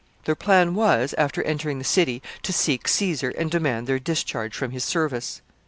Their plan was, after entering the city, to seek Caesar and demand their discharge from his service.